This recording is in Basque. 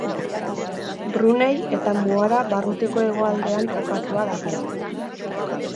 Brunei eta Muara barrutiko hegoaldean kokatua dago.